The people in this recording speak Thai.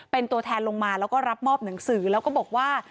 เป็นตัวแทนลงมาแล้วก็รับมอบหนังสือแล้วก็บอกว่า